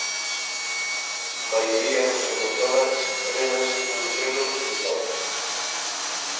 A maioría dos hemotórax drénanse cun selo de tórax.